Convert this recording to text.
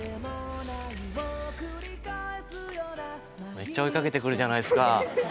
めっちゃ追いかけてくるじゃないですか。